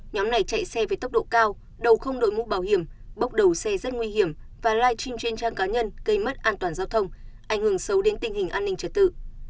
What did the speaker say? nhóm này chạy xe với tốc độ cao đầu không đội mũ bảo hiểm bốc đầu xe rất nguy hiểm và live stream trên trang cá nhân gây mất an toàn giao thông ảnh hưởng sâu đến tình hình an ninh trật tự